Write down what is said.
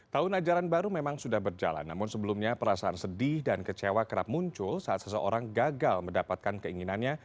tahun ajaran baru memang sudah berjalan namun sebelumnya perasaan sedih dan kecewa kerap muncul saat seseorang gagal mendapatkan keinginannya